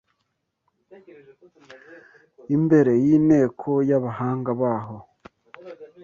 imbere y’inteko y’abahanga baho